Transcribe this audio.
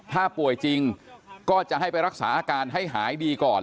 ถ้าป่วยจริงก็จะให้ไปรักษาอาการให้หายดีก่อน